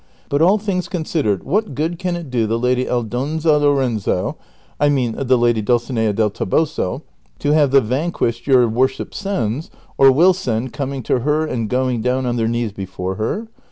But all things considered, what good can it do the lady Aldonza Lorenzo (T mean the lady Dulcinea del Toboso) to have the vanquished your worship sends or will send coming to her and going down on their knees before her".